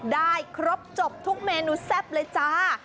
ได้ครบจบทุกเมนูแซ่บเลยจ้า